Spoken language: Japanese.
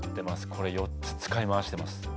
これ４つ使い回してます。